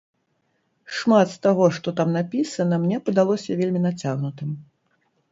Шмат з таго, што там напісана, мне падалося вельмі нацягнутым.